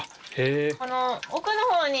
この奥の方に。